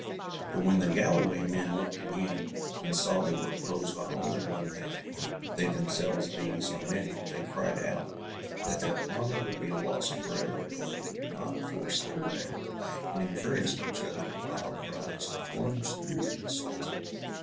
But when the Galloway men looked again, and saw they were opposed by only one man, they themselves being so many, they cried out, that their honour would be lost forever if they did not force their way; and encouraged each other, with loud cries, to plunge through and assault him.